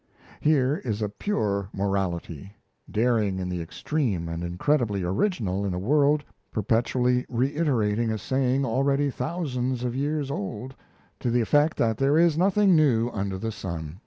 Here is a pure morality, daring in the extreme and incredibly original in a world perpetually reiterating a saying already thousands of years old, to the effect that there is nothing new under the sun.